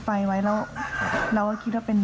เพราะพ่อเชื่อกับจ้างหักข้าวโพด